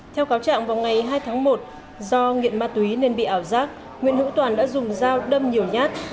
theo cáo trạng vào ngày hai tháng một do nghiện ma túy nên bị ảo giác nguyễn hữu toàn đã dùng dao đâm nhiều nhát